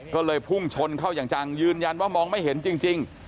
ก็เลยพุ่งชนเข้าอย่างจังยืนยันว่ามองไม่เห็นจริง